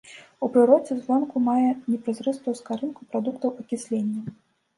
У прыродзе звонку мае непразрыстую скарынку прадуктаў акіслення.